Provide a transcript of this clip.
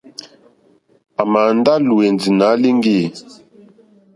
À mà ndá lùwɛ̀ndì nǎ líŋɡì.